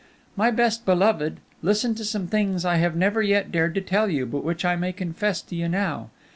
"My best beloved, listen to some things I have never yet dared to tell you, but which I may confess to you now.